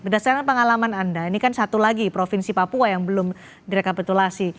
berdasarkan pengalaman anda ini kan satu lagi provinsi papua yang belum direkapitulasi